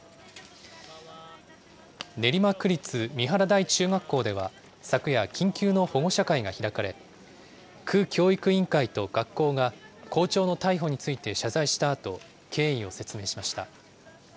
練馬区立三原台中学校では、昨夜、緊急の保護者会が開かれ、区教育委員会と学校が校長の逮捕について謝罪したあと、経緯を説明しました。